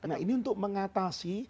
nah ini untuk mengatasi